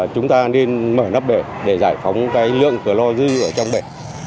chúng ta nên mở nắp bể để giải phóng cái lượng cửa lo dư ở trong bể